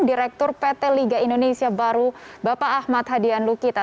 direktur pt liga indonesia baru bapak ahmad hadian lukita